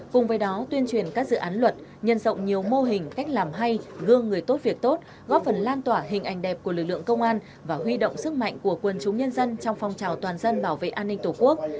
cùng với đó tuyên truyền các dự án luật nhân rộng nhiều mô hình cách làm hay gương người tốt việc tốt góp phần lan tỏa hình ảnh đẹp của lực lượng công an và huy động sức mạnh của quân chúng nhân dân trong phong trào toàn dân bảo vệ an ninh tổ quốc